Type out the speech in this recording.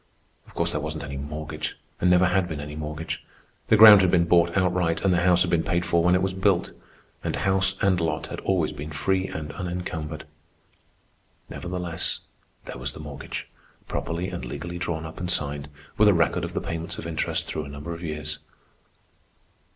Of course there wasn't any mortgage, and never had been any mortgage. The ground had been bought outright, and the house had been paid for when it was built. And house and lot had always been free and unencumbered. Nevertheless there was the mortgage, properly and legally drawn up and signed, with a record of the payments of interest through a number of years.